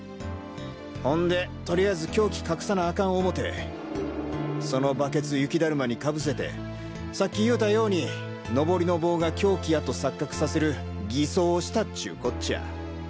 ほんでとりあえず凶器隠さなアカン思てそのバケツ雪だるまにかぶせてさっき言うたようにノボリの棒が凶器やと錯覚させる偽装をしたっちゅうこっちゃ！